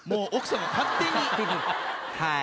はい。